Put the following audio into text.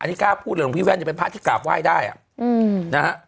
อันนี้กล้าพูดเลยของพี่แว่นจะเป็นพระที่กราบไหว้ได้นะฮะ